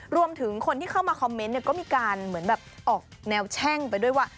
รวมถึงคนที่เข้ามาคอมเมนต์เนี่ยก็มีการเหมือนแบบออกแนวแช่งไปด้วยว่า